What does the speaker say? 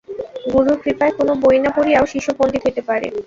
গুরুর কৃপায় কোন বই না পড়িয়াও শিষ্য পণ্ডিত হইতে পারে।